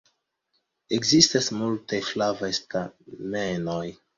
Ekzistas multaj flavaj stamenoj.